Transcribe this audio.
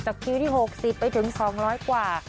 คิวที่๖๐ไปถึง๒๐๐กว่า